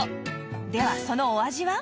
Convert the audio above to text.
ではそのお味は？